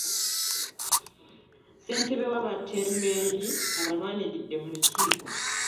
Ssentebe w'abatembeeyi abalwaniridde mu lukiiko.